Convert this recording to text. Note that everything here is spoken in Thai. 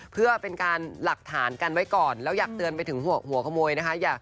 เพื่อเป็นการหลักฐานกันไว้ก่อนแล้วอยากเตือนไปถึงหัวขโมยนะคะ